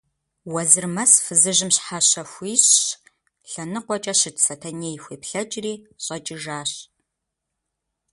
Уэзырмэс фызыжьым щхьэщэ хуищӀщ, лъэныкъуэкӀэ щыт Сэтэней хуеплъэкӀри, щӀэкӀыжащ.